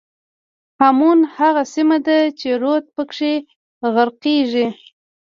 هامون هغه سیمه ده چې رود پکې غرقېږي.